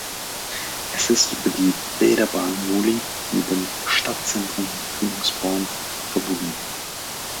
Es ist über die Bäderbahn Molli mit dem Stadtzentrum und Kühlungsborn verbunden.